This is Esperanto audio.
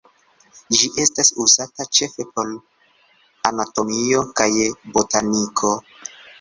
Ĝi estas uzata ĉefe por anatomio kaj botaniko.